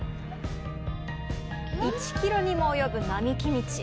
１キロにもおよぶ並木道。